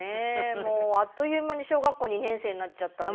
もうあっという間に小学校２年生になっちゃったんで。